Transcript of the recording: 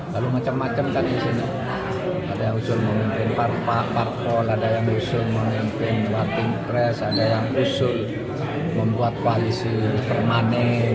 lalu macam macam kan di sini ada yang usul memimpin pak rupa pak pol ada yang usul memimpin wakil pres ada yang usul membuat kualisi permanen